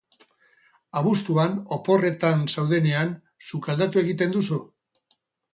Abuztuan, oporretan zaudenean, sukaldatu egiten duzu?